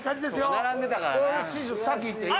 並んでたからな。